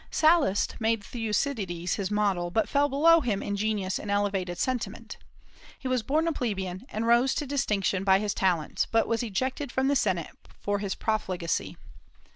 Sallust made Thucydides his model, but fell below him in genius and elevated sentiment. He was born a plebeian, and rose to distinction by his talents, but was ejected from the senate for his profligacy.